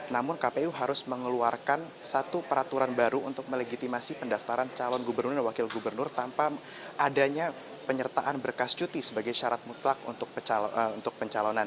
namun kpu harus mengeluarkan satu peraturan baru untuk melegitimasi pendaftaran calon gubernur dan wakil gubernur tanpa adanya penyertaan berkas cuti sebagai syarat mutlak untuk pencalonan